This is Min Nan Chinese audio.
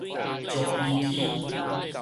石坡坑